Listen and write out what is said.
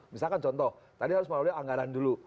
misalkan contoh tadi harus melalui anggaran dulu